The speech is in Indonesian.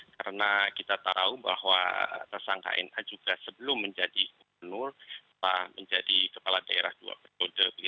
karena kita tahu bahwa tersangka na juga sebelum menjadi gubernur telah menjadi kepala daerah dua pergoda